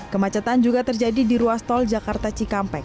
kemacetan juga terjadi di ruas tol jakarta cikampek